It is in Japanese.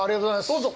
どうぞ。